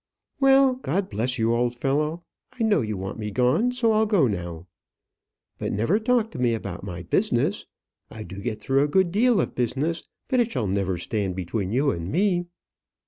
"Well, God bless you, old fellow! I know you want me gone; so I'll go now. But never talk to me about my business. I do get through a good deal of business, but it shall never stand between you and me."